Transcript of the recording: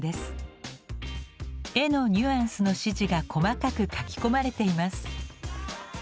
絵のニュアンスの指示が細かく描き込まれています。